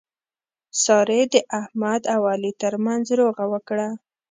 سارې د احمد او علي ترمنځ روغه وکړه.